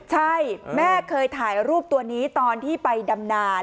ใช่แม่เคยถ่ายรูปตัวนี้ตอนที่ไปดำนาน